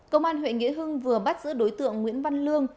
công an huyện nghĩa hưng vừa bắt giữ đối tượng nguyễn văn lương